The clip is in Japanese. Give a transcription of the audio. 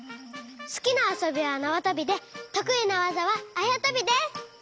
すきなあそびはなわとびでとくいなわざはあやとびです！